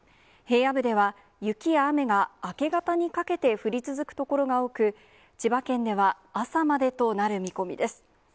平野部では、雪や雨が明け方にかけて降り続く所が多く、千葉県では朝までとなる見込みです。